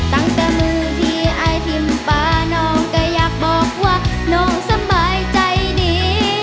ตั้งแต่มือที่ไอทิมปลาน้องก็อยากบอกว่าน้องสบายใจดี